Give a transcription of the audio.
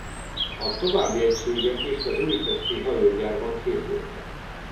A további egységek is az újpesti hajógyárban készültek.